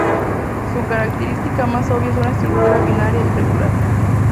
Su característica más obvia es una estructura binaria irregular.